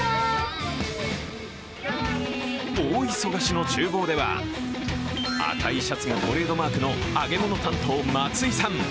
大忙しのちゅう房では、赤いシャツがトレードマークの揚げ物担当松井さん。